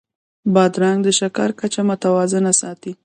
بادرنګ د شکر کچه متوازنه ساتي.